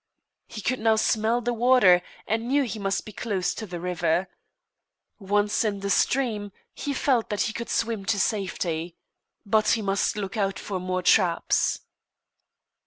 He could now smell the water, and knew he must be close to the river. Once in the stream, he felt that he could swim to safety. But he must look our for more traps.